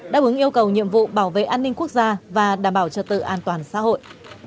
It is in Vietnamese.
đáp ứng yêu cầu nhiệm vụ bảo vệ an ninh quốc gia và đảm bảo trật tự an toàn xã hội